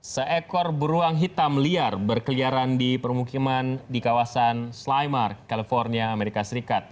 seekor beruang hitam liar berkeliaran di permukiman di kawasan slymark california amerika serikat